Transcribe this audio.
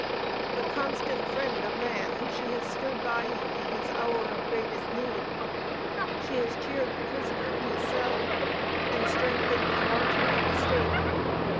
The constant friend of man, she has stood by him in his hour of greatest need. She has cheered the prisoner in his cell, and strengthened the martyr at the stake.